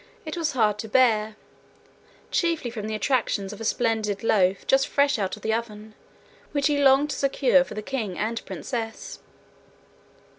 It was hard to bear chiefly from the attractions of a splendid loaf, just fresh out of the oven, which he longed to secure for the king and princess.